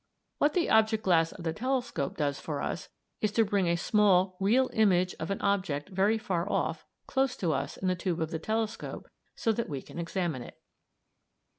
What the object glass of the telescope does for us, is to bring a small real image of an object very far off close to us in the tube of the telescope so that we can examine it.